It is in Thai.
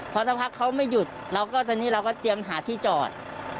เพราะถ้าพลักษณ์เขาไม่หยุดเราก็ทั้งนี้เราก็เตรียมหาที่จอด